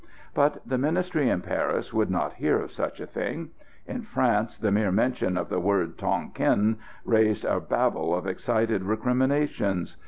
But the Ministry in Paris would not hear of such a thing. In France the mere mention of the word "Tonquin" raised a babble of excited recriminations.